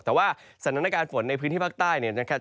แต่ว่าสถานการณ์ฝนในพื้นที่ภาคใต้เนี่ยนะครับ